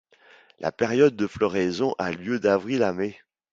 La période de floraison a lieu d'avril à mai.